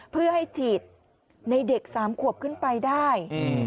เพื่อให้ฉีดในเด็ก๓ขวบขึ้นไปได้